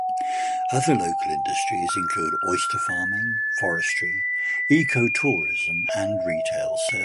Other local industries include oyster farming, forestry, eco-tourism and retail services.